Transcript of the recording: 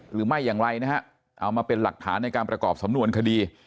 หรือไม่อย่างไรนะฮะเอามาเป็นหลักฐานในการประกอบสำนวนคดี